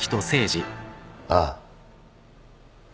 ああ。